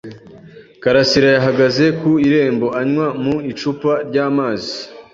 Karasirayahagaze ku irembo, anywa mu icupa ry’amazi.